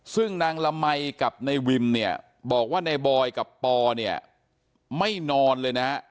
ซึ่งนางละมัยกับนายวิมเนี่ยบอกว่าในบอยกับปอเนี่ยไม่นอนเลยนะฮะ